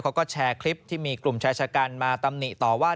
เขาก็แชร์คลิปที่มีกลุ่มชายชะกันมาตำหนิต่อว่า